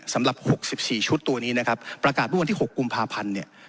สำหรับ๖๔ชุดตัวนี้นะครับประกาศเมื่อวันที่๖กุมภาพันธ์เนี่ย